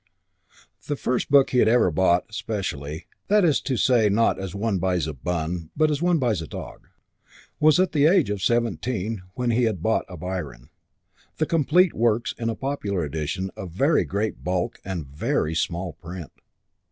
The first book he had ever bought "specially" that is to say not as one buys a bun but as one buys a dog was at the age of seventeen when he had bought a Byron, the Complete Works in a popular edition of very great bulk and very small print.